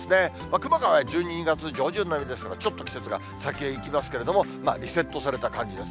熊谷は１２月上旬並みですから、ちょっと季節が先へいきますけれども、リセットされた感じです。